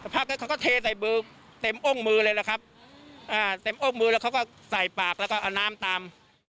พักนั้นเขาก็เทใส่มือเต็มอ้งมือเลยล่ะครับอ่าเต็มอกมือแล้วเขาก็ใส่ปากแล้วก็เอาน้ำตาม